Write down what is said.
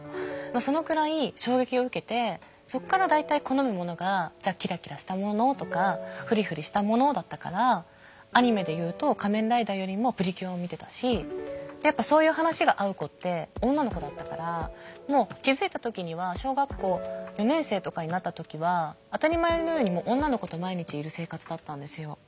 そのくらい衝撃を受けてそこから大体好むものがじゃあキラキラしたものとかフリフリしたものだったからアニメで言うと仮面ライダーよりもプリキュアを見てたしやっぱそういう話が合う子って女の子だったからもう気づいた時には小学校４年生とかになった時は当たり前のように女の子と毎日いる生活だったんですよ。